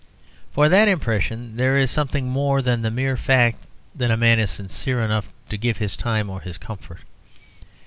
For in that impression there is something more than the mere fact that a man is sincere enough to give his time or his comfort.